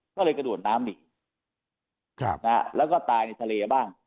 ก็เลยกระโดดน้ำอีกแล้วก็ตายในทะเลบ้าง